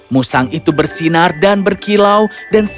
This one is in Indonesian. musang itu bersinar dan berkilau dan sehingga musangnya menjadi emas